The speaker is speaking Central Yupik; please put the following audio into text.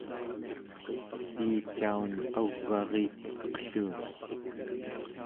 piicaun au͡g'aritesqelluni